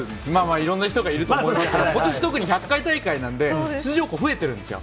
いろんな人がいると思いますけど、ことし特に１００回大会なんで、出場校増えてるんですよ。